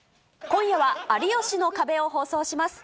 今夜は、有吉の壁を放送します。